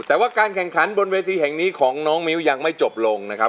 แต่ว่าการแข่งขันบนเวทีแห่งนี้ของน้องมิ้วยังไม่จบลงนะครับ